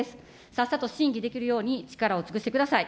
さっさと審議できるように力を尽くしてください。